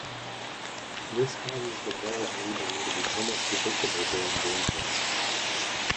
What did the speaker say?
This causes the balls' rebound to be somewhat predictable during game play.